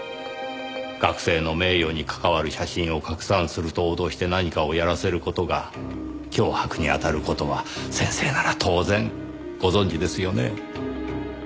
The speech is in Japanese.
学生の名誉に関わる写真を拡散すると脅して何かをやらせる事が脅迫にあたる事は先生なら当然ご存じですよね？